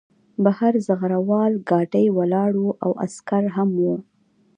بهر زغره وال ګاډی ولاړ و او عسکر هم وو